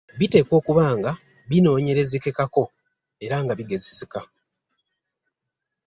Biteekwa okuba nga binoonyerezekekako era nga bigezeseka.